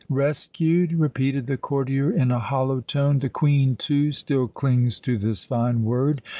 "Rescued?" repeated the courtier in a hollow tone. "The Queen, too, still clings to this fine word.